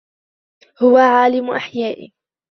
هو عالم أحيائي.